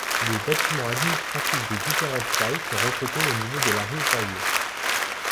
Des bâtiments administratifs de différentes tailles sont regroupés au niveau de la rue Royer.